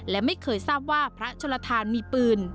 และไม่เคยทราบว่าพระชนลทานมีปืน